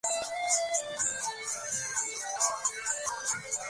আর ধন্যবাদ, অন্য সবাইকে।